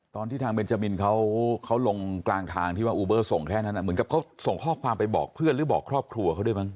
ตอนที่ทางเบนจามินเขาลงกลางทางที่ว่าอูเบอร์ส่งแค่นั้นเหมือนกับเขาส่งข้อความไปบอกเพื่อนหรือบอกครอบครัวเขาด้วยมั